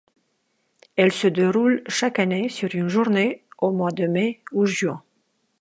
Elle se déroule chaque année sur une journée au mois de mai ou juin.